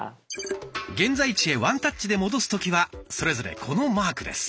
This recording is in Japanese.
現在地へワンタッチで戻す時はそれぞれこのマークです。